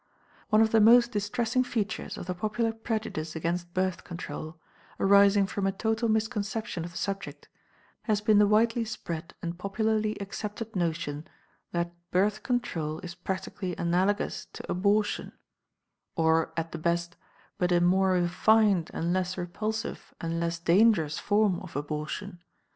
One of the most distressing features of the popular prejudice against Birth Control, arising from a total misconception of the subject, has been the widely spread and popularly accepted notion that Birth Control is practically analogous to abortion or, at the best, but a more refined and less repulsive and less dangerous form of abortion.